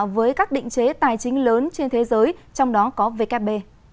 với các định chế tài chính lớn trên thế giới trong đó có vkp